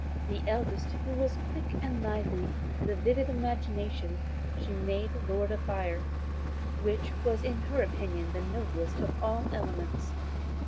The eldest, who was quick and lively, with a vivid imagination, she made Lord of Fire, which was in her opinion the noblest of all the elements.